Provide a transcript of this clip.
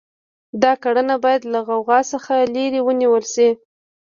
دا کړنه باید له غوغا څخه لرې ونیول شي.